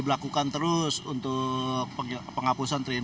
berlakukan terus untuk penghapusan tiga in satu